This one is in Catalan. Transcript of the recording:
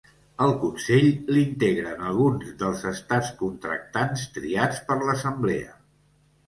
El Consell l'integren alguns dels estats contractants triats per l'Assemblea.